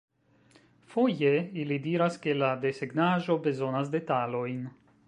Foje, ili diras ke la desegnaĵo bezonas detalojn.